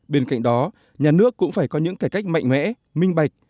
bên cạnh đó nhà nước cũng phải có những cải cách mạnh mẽ minh bạch